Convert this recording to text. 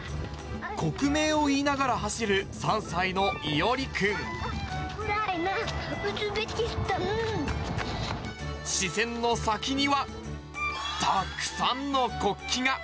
国名を言いながら走る３歳のウクライナ、視線の先には、たくさんの国旗が。